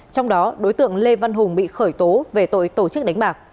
trong đó đối tượng lê văn hùng bị khởi tố về tội tổ chức đánh bạc